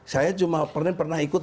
saya cuma pernah ikut